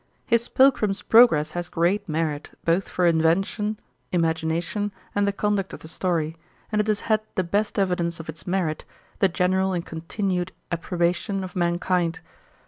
'His Pilgrim's Progress has great merit, both for invention, imagination, and the conduct of the story; and it has had the best evidence of its merit, the general and continued approbation of mankind.